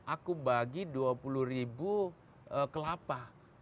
aku bagi dua puluh ribu kelapa